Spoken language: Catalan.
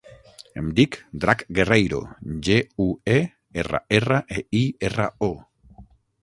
Em dic Drac Guerreiro: ge, u, e, erra, erra, e, i, erra, o.